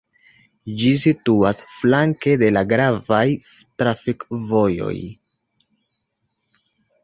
Ĝi situas flanke de la gravaj trafikvojoj.